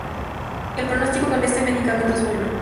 El pronóstico con este medicamento es bueno.